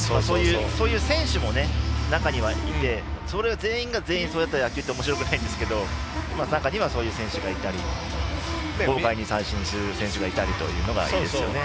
そういう選手も中にはいて全員が全員そういった野球ではおもしろくないんですけれども中にはそういう選手がいたり豪快に三振をする選手がいたりですよね。